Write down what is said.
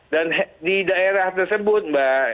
dan di daerah tersebut mbak